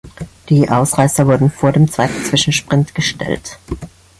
Die Ausreißer wurden vor dem zweiten Zwischensprint gestellt.